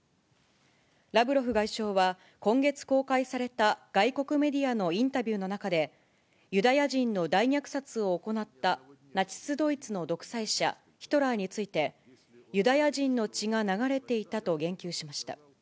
ラブロフ外相は、今月公開された外国メディアのインタビューの中で、ユダヤ人の大虐殺を行ったナチス・ドイツの独裁者、ヒトラーについて、ユダヤ人の血が流れていたと言及しました。